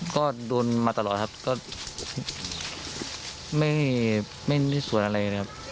ก็โดนมาตลอดครับก็ไม่ส่วนอะไรนะครับ